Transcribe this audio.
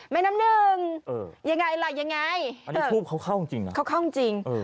แม่นำนึงอย่างไรเหรอยังไง